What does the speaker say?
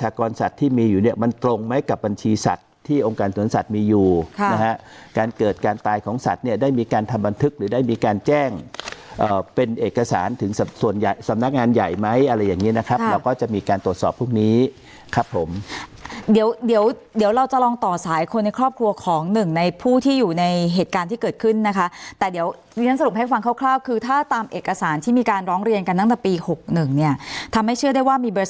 สารถึงส่วนส่วนสำนักงานใหญ่ไหมอะไรอย่างเงี้ยนะครับเราก็จะมีการตรวจสอบพรุ่งนี้ครับผมเดี๋ยวเดี๋ยวเดี๋ยวเราจะลองต่อสายคนในครอบครัวของหนึ่งในผู้ที่อยู่ในเหตุการณ์ที่เกิดขึ้นนะคะแต่เดี๋ยวเรียนสรุปให้ฟังคร่าวคร่าวคือถ้าตามเอกสารที่มีการร้องเรียนกันตั้งแต่ปีหกหนึ่งเนี้ยทำให้เชื่อได้ว